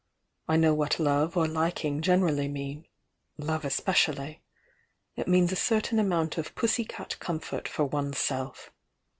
I know what love or liking generally mean — love especially. It means a certain amount of pussy cat comfort for o?ie'8 self.